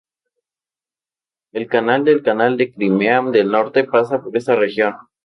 El canal del Canal de Crimea del Norte, pasa por esta región.